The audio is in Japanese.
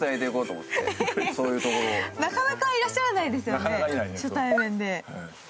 なかなかいらっしゃらないですよね、初対面で。